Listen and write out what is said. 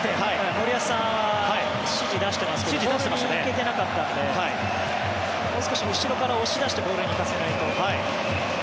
森保さんは指示を出してますけどボールに行けていなかったのでもう少し後ろから押し出してボールに行かせないと。